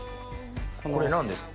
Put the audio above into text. これ何ですか？